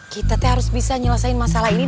kita teh harus bisa nyelesain masalah ini deh mbak